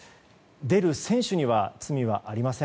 出る選手には罪はありません。